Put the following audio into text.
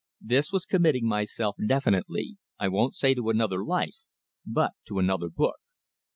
This was committing myself definitely, I won't say to another life, but to another book.